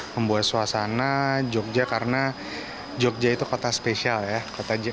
membawa suasana jogja karena jogja itu kota spesial ya